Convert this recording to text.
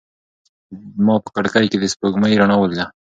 ما په کړکۍ کې د سپوږمۍ رڼا ولیده.